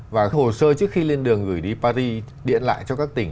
và hồ sơ trước khi lên đường gửi đi paris điện lại cho các tỉnh